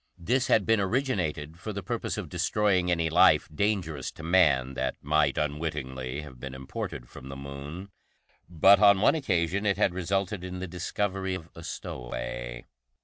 This had been originated for the purpose of destroying any life dangerous to man that might unwittingly have been imported from the Moon, but on one occasion it had resulted in the discovery of a stowaway.